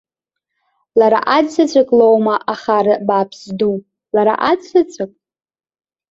Лара аӡә заҵәык лоума ахара бааԥс зду, лара аӡә заҵәык?!